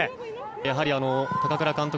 やはり高倉監督